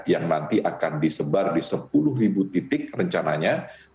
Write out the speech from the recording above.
yang nanti akan disebar di sepuluh titik rencananya